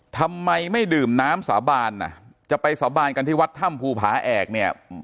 ทำไมไม่ดื่มน้ำสาบานอ่ะจะไปสาบานกันที่วัดถ้ำภูผาแอกเนี่ย